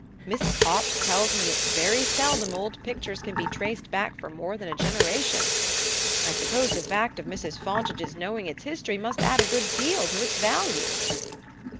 Miss Copt tells me it's very seldom old pictures can be traced back for more than a generation. I suppose the fact of Mrs. Fontage's knowing its history must add a good deal to its value?"